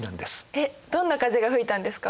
えっどんな風が吹いたんですか？